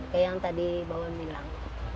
kayak yang tadi bawah milang